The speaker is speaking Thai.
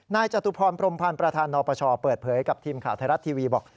จตุพรพรมพันธ์ประธานนปชเปิดเผยกับทีมข่าวไทยรัฐทีวีบอก